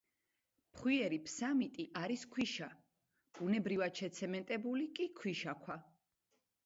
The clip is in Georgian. ფხვიერი ფსამიტი არის ქვიშა, ბუნებრივად შეცემენტებული კი ქვიშაქვა.